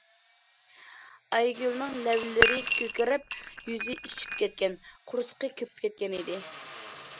ئايگۈلنىڭ لەۋلىرى كۆكىرىپ، يۈزى ئىششىپ كەتكەن، قورسىقى كۆپۈپ كەتكەنىدى.